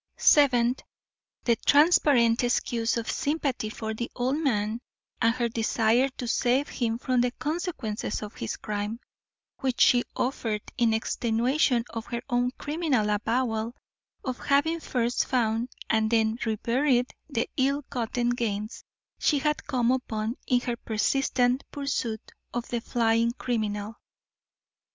Seventh The transparent excuse of sympathy for the old man and her desire to save him from the consequences of his crime, which she offered in extenuation of her own criminal avowal of having first found and then reburied the ill gotten gains she had come upon in her persistent pursuit of the flying criminal.